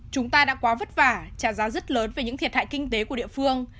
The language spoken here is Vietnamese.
chúng ta đã quá vất vả trả giá rất lớn về những thiệt hại kinh tế của địa phương